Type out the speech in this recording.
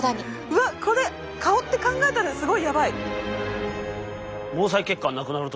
うわっこれ顔って考えたらすごいやばい！